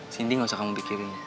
sindi gak usah kamu bikin